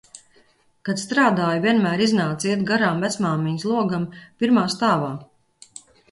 Kad strādāju, vienmēr iznāca iet garām vecmāmiņas logam, pirmā stāvā.